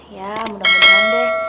ya mudah mudahan deh